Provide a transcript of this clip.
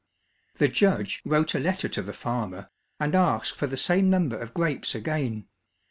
The judge wrote a letter to the farmer, and asked for the same number of grapes again.